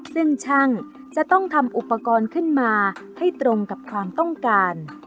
ซึ่งช่างจะต้องทำอุปกรณ์ขึ้นมาให้ตรงกับความต้องการ